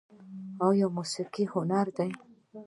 آیا موسیقي هنر دی؟